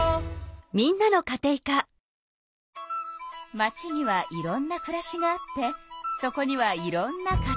街にはいろんなくらしがあってそこにはいろんなカテイカが。